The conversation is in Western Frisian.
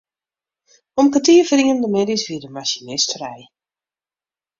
Om kertier foar ienen de middeis wie de masinist frij.